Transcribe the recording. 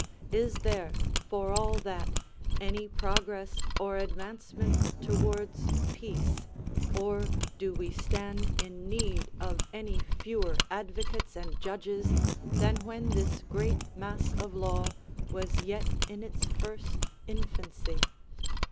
is there, for all that, any progress or advancement towards peace, or do we stand in need of any fewer advocates and judges than when this great mass of law was yet in its first infancy?